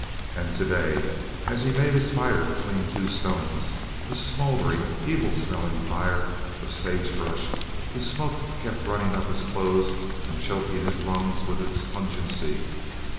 And today, as he made his fire between two stones a smoldering, evil smelling fire of sagebrush the smoke kept running up his clothes and choking his lungs with its pungency.